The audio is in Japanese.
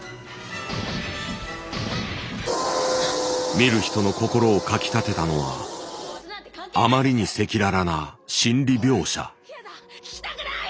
見る人の心をかきたてたのはあまりに赤裸々な「心理描写」。